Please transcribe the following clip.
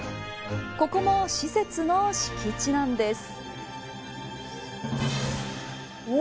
ここも施設の敷地なんです。